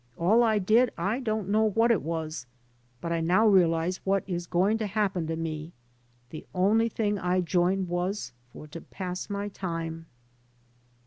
All I did I don't know what it was, but I now realize what is going to happen to me. The only thing I joined for was to pass my time."